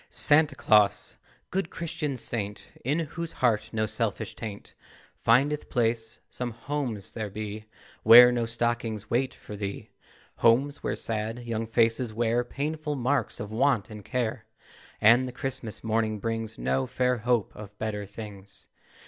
Santa Claus! Good Christmas saint, In whose heart no selfish taint Findeth place, some homes there be Where no stockings wait for thee, Homes where sad young faces wear Painful marks of Want and Care, And the Christmas morning brings No fair hope of better things.